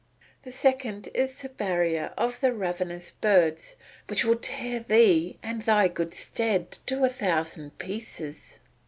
The second is the barrier of the ravenous birds, which will tear thee and thy good steed to a thousand pieces.